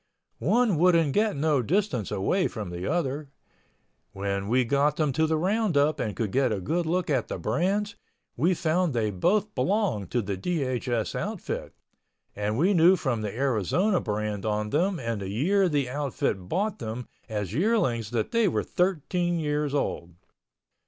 One wouldn't get no distance away from the other. When we got them to the roundup and could get a good look at the brands, we found they both belonged to the DHS outfit, and we knew from the Arizona brand on them and the year the outfit bought them as yearlings that they were 13 years old.